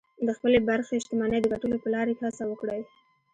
د خپلې برخې شتمنۍ د ګټلو په لاره کې هڅه وکړئ